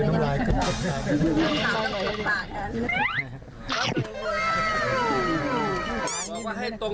น้ำลายก่อน